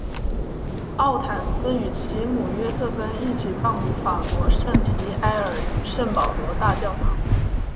奥坦丝与其母约瑟芬一起葬于法国圣皮埃尔与圣保罗大教堂。